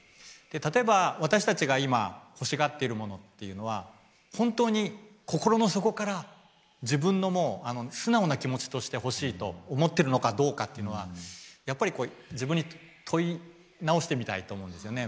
例えば私たちが今欲しがってるものっていうのは本当に心の底から自分の素直な気持ちとして欲しいと思ってるのかどうかっていうのはやっぱり自分に問い直してみたいと思うんですよね。